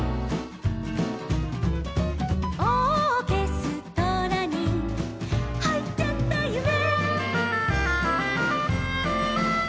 「オーケストラにはいっちゃったゆめ」